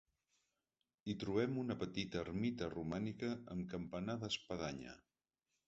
Hi trobem una petita ermita romànica amb campanar d'espadanya.